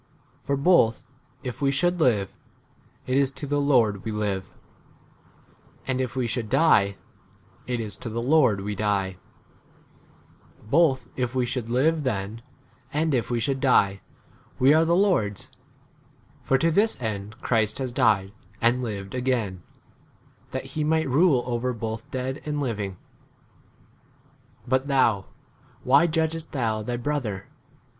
For both if we should live, [it is] to the Lord we live ; and if we should die, [it is] to the Lord we die :. both if we should live then, and if we should die, we are the Lord's. 9 For to this [end] Christ has k died and lived again, 1 that he might rule 10 over both dead and living. But thou, why judgest thou thy bro ther